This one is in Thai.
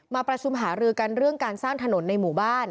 มาประชุมหารือกันเรื่องการสร้างถนนในหมู่บ้าน